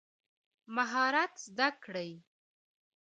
مهارت زده کړئ